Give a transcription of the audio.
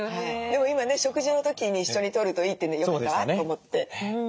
でも今ね食事の時に一緒にとるといいっていうんでよかったわと思って。